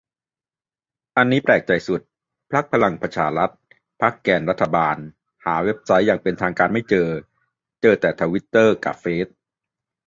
อันนี้แปลกใจสุด พรรคพลังประชารัฐ พรรคแกนรัฐบาล หาเว็บไซต์อย่างเป็นทางการไม่เจอ เจอแต่ทวิตเตอร์กะเฟซ